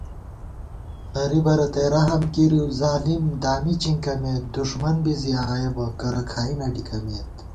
غریبہ رتئ رحم کېرِؤظالِم دامی چِنکَمېت * دُݭمن بی زی آیَہ بہ کرہ کھائی نہ ڈِکَمېت